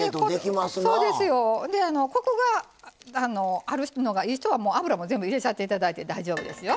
コクがあるのがいい人はもう脂も全部入れちゃっていただいて大丈夫ですよ。